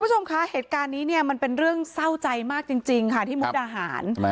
คุณผู้ชมคะเหตุการณ์นี้เนี่ยมันเป็นเรื่องเศร้าใจมากจริงค่ะที่มุกดาหาร